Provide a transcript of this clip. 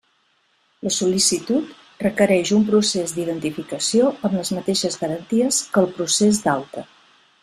La sol·licitud requereix un procés d'identificació amb les mateixes garanties que el procés d'alta.